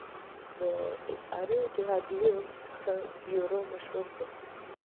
د اسعاري اتحادیو څخه یورو مشهوره ده.